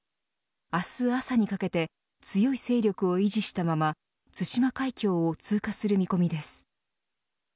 明日朝にかけて強い勢力を維持したまま対馬海峡を通過する見込みです。